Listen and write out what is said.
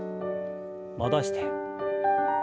戻して。